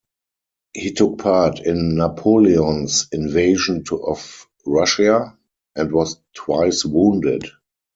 He took part in Napoleon's invasion of Russia, and was twice wounded.